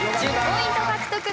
１０ポイント獲得です。